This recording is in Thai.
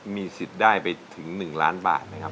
มีสิทธิ์ได้ไปถึง๑ล้านบาทนะครับ